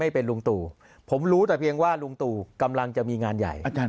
เป็นลุงตู่ผมรู้แต่เพียงว่าลุงตู่กำลังจะมีงานใหญ่